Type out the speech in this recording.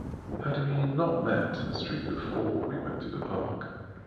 Had we not met in the street before we went to the park?